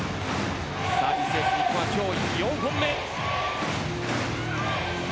サービスエース日本は今日４本目。